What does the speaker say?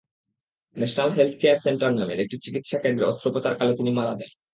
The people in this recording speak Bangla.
ন্যাশনাল হেলথ কেয়ার সেন্টার নামের একটি চিকিৎসাকেন্দ্রে অস্ত্রোপচারকালে তিনি মারা যান।